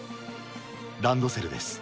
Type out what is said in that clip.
ランドセルです。